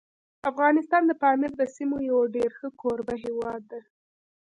افغانستان د پامیر د سیمو یو ډېر ښه کوربه هیواد دی.